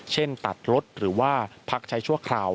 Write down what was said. ตัดรถหรือว่าพักใช้ชั่วคราว